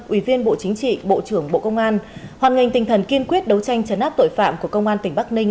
ủy viên bộ chính trị bộ trưởng bộ công an hoàn ngành tinh thần kiên quyết đấu tranh chấn áp tội phạm của công an tỉnh bắc ninh